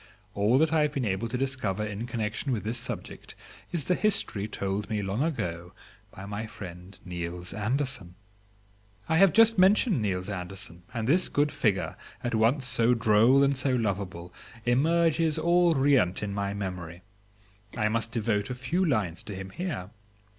All that I have been able to discover in connection with this subject is the history told me long ago by my friend Niels Andersen. I have just mentioned Niels Andersen, and this good figure, at once so droll and so lovable, emerges all riant in my memory. I must devote a few lines to him here.